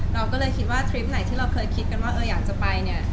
เราก็เลยคิดว่าทริปไหนที่เราเคยคิดกันว่าเอออยากจะไปเนี่ย